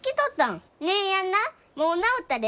姉やんなもう治ったで。